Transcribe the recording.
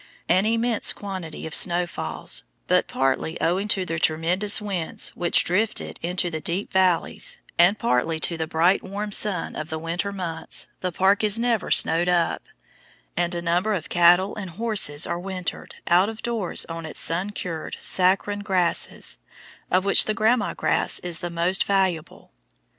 An immense quantity of snow falls, but partly owing to the tremendous winds which drift it into the deep valleys, and partly to the bright warm sun of the winter months, the park is never snowed up, and a number of cattle and horses are wintered out of doors on its sun cured saccharine grasses, of which the gramma grass is the most valuable.